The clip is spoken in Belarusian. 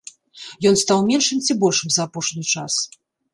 Ён стаў меншым ці большым за апошні час?